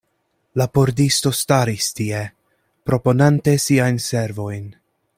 La pordisto staris tie, proponante siajn servojn.